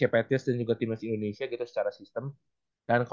apa ya satu satunya nama